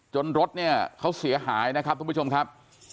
รถเนี่ยเขาเสียหายนะครับทุกผู้ชมครับ